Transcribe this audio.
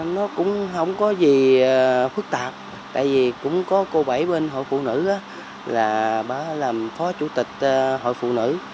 nó cũng không có gì phức tạp tại vì cũng có cô bảy bên hội phụ nữ là bà làm phó chủ tịch hội phụ nữ